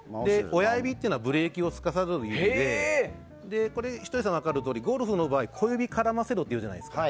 親指というのはブレーキをつかさどる指でひとりさんは分かると思いますがゴルフの場合小指絡ませろって言うじゃないですか。